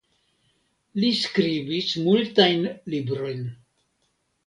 Li skribis multajn librojn.